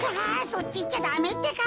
そっちいっちゃダメってか。